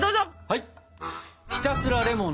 はい！